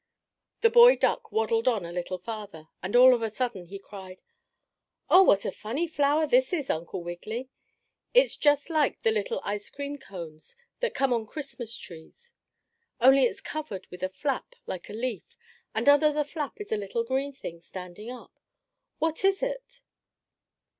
The boy duck waddled on a little farther and all of a sudden, he cried: "Oh, what a funny flower this is, Uncle Wiggily. It's just like the little ice cream cones that come on Christmas trees, only it's covered with a flap, like a leaf, and under the flap is a little green thing, standing up. What is it?"